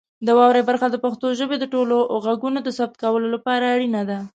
د واورئ برخه د پښتو ژبې د ټولو غږونو د ثبتولو لپاره اړینه ده.